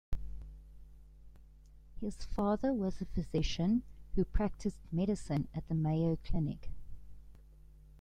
His father was a physician who practiced medicine at the Mayo Clinic.